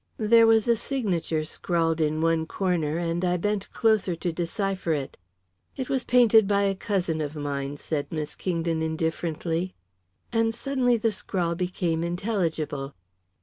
There was a signature scrawled in one corner, and I bent closer to decipher it. "It was painted by a cousin of mine," said Miss Kingdon indifferently. And suddenly the scrawl became intelligible.